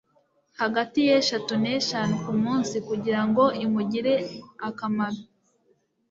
hagati y'eshatu n'eshanu ku munsi kurirango imugire akamaro.